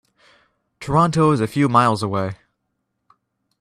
Toronto is a few miles away.